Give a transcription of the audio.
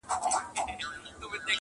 هم دي عقل هم دي فکر پوپناه سو.!